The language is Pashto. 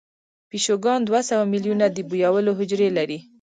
پیشوګان دوه سوه میلیونه د بویولو حجرې لري.